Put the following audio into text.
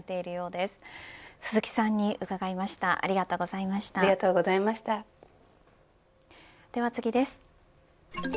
では次です。